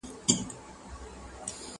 زما په غم کي تر قيامته به ژړيږي؛